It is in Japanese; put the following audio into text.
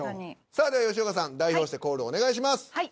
さあでは吉岡さん代表してコールお願いします。